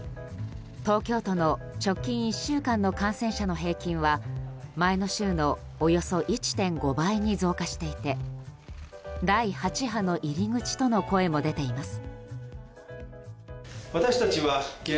東京都の直近１週間の感染者の平均は前の週のおよそ１．５倍に増加していて第８波の入り口との声も出ています。